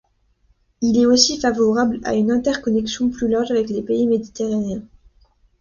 Il est aussi favorable à une interconnexion plus large avec les pays méditerranéens.